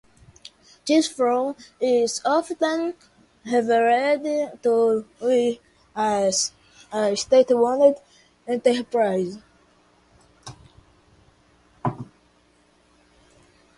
This form is often referred to as a state-owned enterprise.